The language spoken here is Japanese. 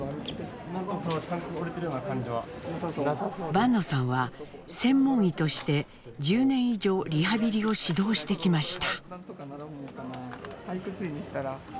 坂野さんは専門医として１０年以上リハビリを指導してきました。